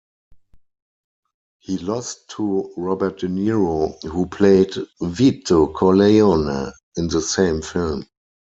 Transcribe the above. He lost to Robert De Niro, who played Vito Corleone in the same film.